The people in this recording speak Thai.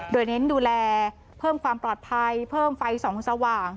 โดยเน้นดูแลเพิ่มความปลอดภัยเพิ่มไฟส่องสว่าง